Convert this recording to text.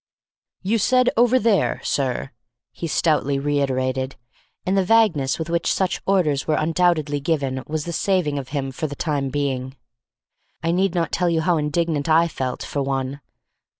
"You said 'over there,' sir," he stoutly reiterated; and the vagueness with which such orders were undoubtedly given was the saving of him for the time being. I need not tell you how indignant I felt, for one.